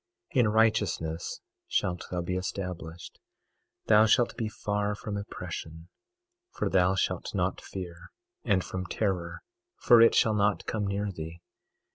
22:14 In righteousness shalt thou be established; thou shalt be far from oppression for thou shalt not fear, and from terror for it shall not come near thee.